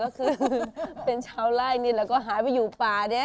ก็คือเป็นชาวไล่นี่แล้วก็หายไปอยู่ป่าเนี่ย